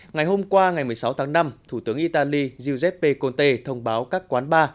ngày hôm qua ngày một mươi sáu tháng năm thủ tướng italy giuseppe conte thông báo các quán bar